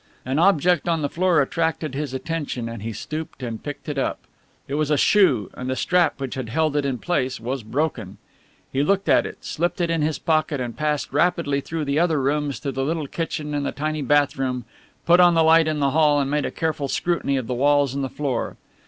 An object on the floor attracted his attention and he stooped and picked it up. It was a shoe, and the strap which had held it in place was broken. He looked at it, slipped it in his pocket and passed rapidly through the other rooms to the little kitchen and the tiny bath room, put on the light in the hall and made a careful scrutiny of the walls and the floor.